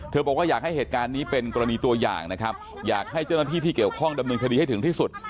บอกว่าอยากให้เหตุการณ์นี้เป็นกรณีตัวอย่างนะครับอยากให้เจ้าหน้าที่ที่เกี่ยวข้องดำเนินคดีให้ถึงที่สุด